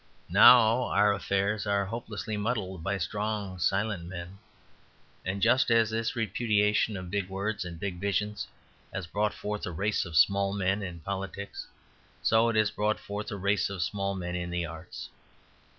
Now our affairs are hopelessly muddled by strong, silent men. And just as this repudiation of big words and big visions has brought forth a race of small men in politics, so it has brought forth a race of small men in the arts.